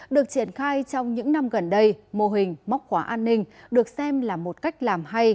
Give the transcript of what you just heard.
được triển khai trong những năm gần đây mô hình móc khóa an ninh được xem là một cách làm hay